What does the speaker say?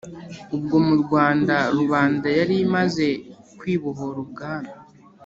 ubwo mu rwanda rubanda yari imaze kwibohora u bwami,